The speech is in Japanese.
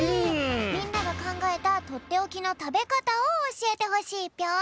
みんながかんがえたとっておきのたべかたをおしえてほしいぴょん！